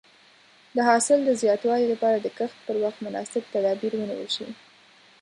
د حاصل د زیاتوالي لپاره د کښت پر وخت مناسب تدابیر ونیول شي.